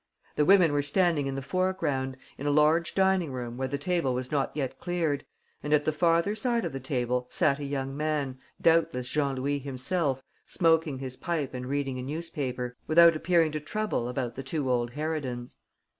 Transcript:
The women were standing in the foreground, in a large dining room where the table was not yet cleared; and at the farther side of the table sat a young man, doubtless Jean Louis himself, smoking his pipe and reading a newspaper, without appearing to trouble about the two old harridans.